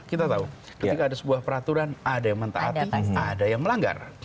kita tahu ketika ada sebuah peraturan ada yang mentaati ada yang melanggar